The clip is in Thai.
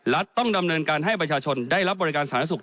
รัฐต้องดำเนินการให้ประชาชนได้รับบริการสถานศึก